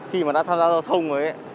khi mà đã tham gia giao thông rồi ấy